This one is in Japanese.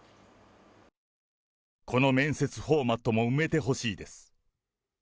この面接フォーマットも埋めてほしいです。